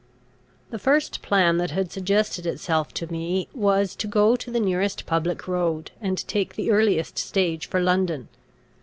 The first plan that had suggested itself to me was, to go to the nearest public road, and take the earliest stage for London.